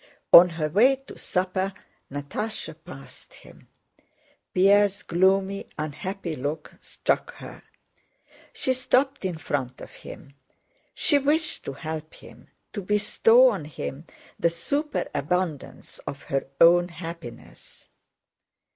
On her way to supper Natásha passed him. Pierre's gloomy, unhappy look struck her. She stopped in front of him. She wished to help him, to bestow on him the superabundance of her own happiness.